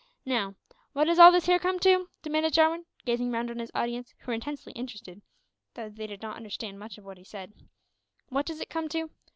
Now, wot does all this here come to?" demanded Jarwin, gazing round on his audience, who were intensely interested, though they did not understand much of what he said, "wot does it come to?